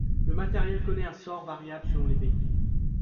Le matériel connait un sort variable selon les pays.